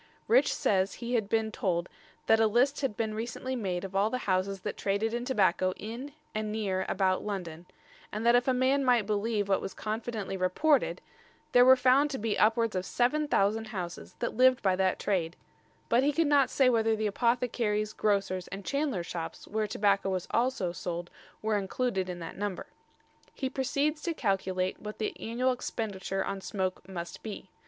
Rich says he had been told that a list had been recently made of all the houses that traded in tobacco in and near about London, and that if a man might believe what was confidently reported, there were found to be upwards of 7000 houses that lived by that trade; but he could not say whether the apothecaries', grocers' and chandlers' shops, where tobacco was also sold, were included in that number. He proceeds to calculate what the annual expenditure on smoke must be.